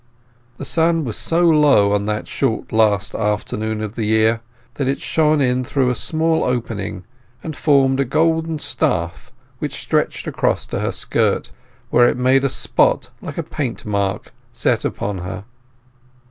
The sun was so low on that short last afternoon of the year that it shone in through a small opening and formed a golden staff which stretched across to her skirt, where it made a spot like a paint mark set upon her.